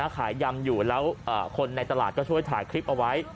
ยำอยู่แล้วคนในตลาดก็ช่วยถ่ายคลิปเอาไว้